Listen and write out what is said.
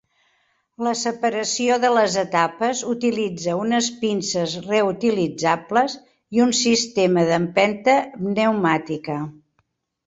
La separació de les etapes utilitza unes pinces reutilitzables i un sistema d'empenta pneumàtica.